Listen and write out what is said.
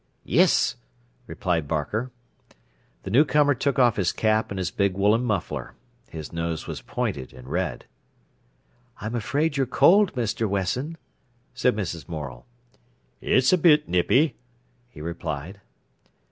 "Yes," replied Barker. The newcomer took off his cap and his big woollen muffler. His nose was pointed and red. "I'm afraid you're cold, Mr. Wesson," said Mrs. Morel. "It's a bit nippy," he replied.